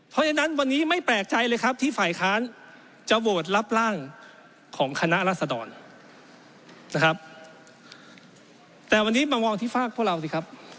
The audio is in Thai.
เพราะฉะนั้นวันนี้ไม่แปลกใจเลยครับที่ฝ่ายค้านจะโหวตรับร่างของคณะรัฐธรรมนะครับ